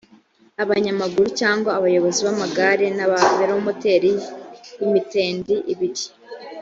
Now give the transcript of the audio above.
abanyamaguru cyangwa abayobozi b’amagare n’aba velomoteri y’ imitende ibiri